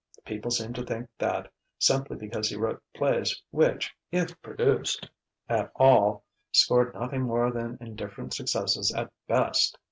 People seemed to think that simply because he wrote plays which, if produced at all, scored nothing more than indifferent successes at best!